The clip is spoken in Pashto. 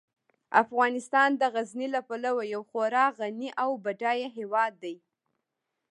افغانستان د غزني له پلوه یو خورا غني او بډایه هیواد دی.